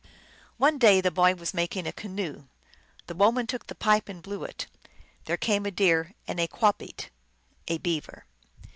One clay the boy was making a canoe. The woman took the pipe and blew it. There came a deer and a qwah beet, a beaver.